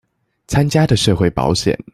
參加的社會保險